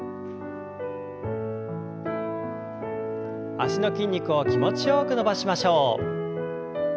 脚の筋肉を気持ちよく伸ばしましょう。